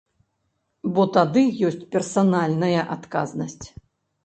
Бо тады ёсць персанальная адказнасць.